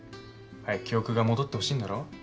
早く記憶が戻ってほしいんだろ。